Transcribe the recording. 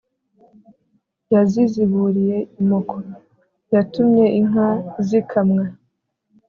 Yaziziburiye imoko: yatumye inka zikamwa.